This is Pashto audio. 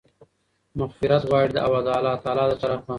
مغفرت غواړي، او د الله تعالی د طرفه